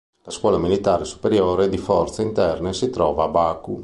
La Scuola militare superiore di forze interne si trova a Baku.